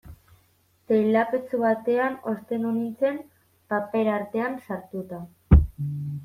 Teilapetxu batean ostendu nintzen, paper artean sartuta.